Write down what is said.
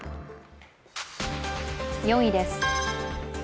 ４位です。